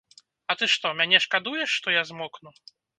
А ты што, мяне шкадуеш, што я змокну.